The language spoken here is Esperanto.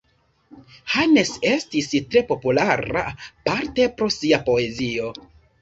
Hannes estis tre populara, parte pro sia poezio.